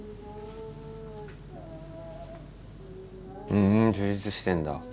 ふん充実してんだ。